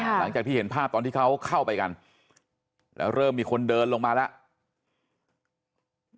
หลังจากที่เห็นภาพตอนที่เขาเข้าไปกันแล้วเริ่มมีคนเดินลงมาแล้ว